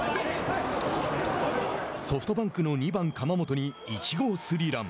ソフトバンクの２番釜元に１号スリーラン。